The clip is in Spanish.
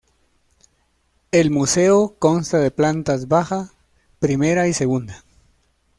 El Museo consta de plantas baja, primera y segunda.